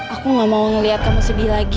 aku gak mau ngeliat kamu sedih lagi